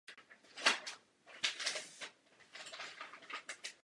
Působil na postu místopředsedy výboru pro zdravotnictví.